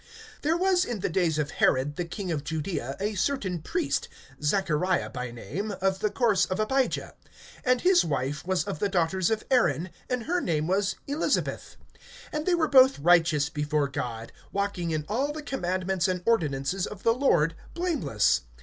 (5)There was in the days of Herod, the king of Judaea, a certain priest, Zachariah by name, of the course of Abijah; and his wife was of the daughters of Aaron, and her name was Elisabeth. (6)And they were both righteous before God, walking in all the commandments and ordinances of the Lord blameless.